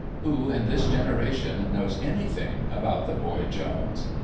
Who, in this genera tion, knows anything about THE BOY JONES?